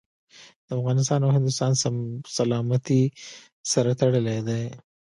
د افغانستان او هندوستان سلامتي سره تړلي دي.